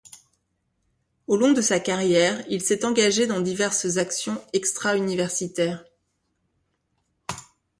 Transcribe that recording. Au long de sa carrière, il s’est engagé dans diverses actions extra-universitaires.